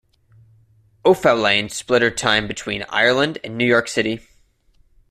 O'Faolain split her time between Ireland and New York City.